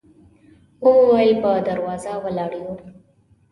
و مو ویل په دروازه ولاړ یو.